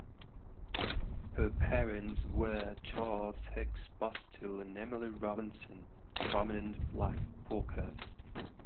Her parents were Charles Hicks Bustill and Emily Robinson, prominent black Quakers.